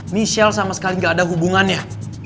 michelle sama sekali nggak ada hubungannya